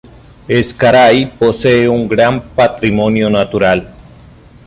Ezcaray posee un gran patrimonio natural.